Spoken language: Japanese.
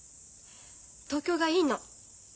東京がいいの。